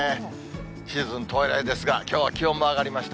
シーズン到来ですが、きょうは気温も上がりました。